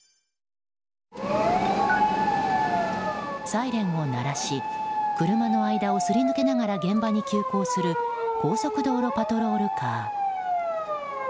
サイレンを鳴らし車の間をすり抜けながら現場に急行する高速道路パトロールカー。